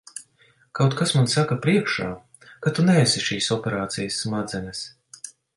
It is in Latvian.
Kaut kas man saka priekšā, ka tu neesi šīs operācijas smadzenes.